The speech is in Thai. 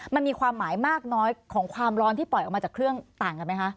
มันมีความหมายมากน้อยของความร้อนที่ปล่อยออกมาจากเครื่องต่างกันไหมคะ